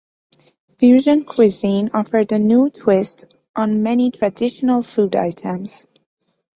Fusion cuisine offered a new twist on many traditional food items.